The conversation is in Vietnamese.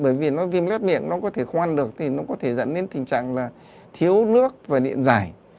bởi vì nó viêm lét miệng nó có thể không ăn được thì nó có thể dẫn đến tình trạng là thiếu nước và điện giải